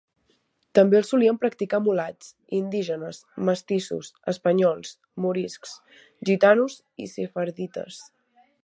També el solien practicar mulats, indígenes, mestissos, espanyols, moriscs, gitanos i sefardites.